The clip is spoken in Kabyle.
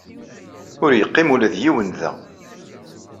Ur yeqqim ula d yiwen da.